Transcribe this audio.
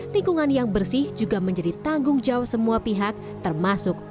lingkungan yang bersih juga menjadi tanggung jawab semua pihak termasuk